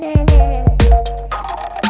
kau mau kemana